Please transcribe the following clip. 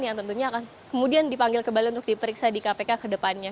yang tentunya akan kemudian dipanggil kembali untuk diperiksa di kpk ke depannya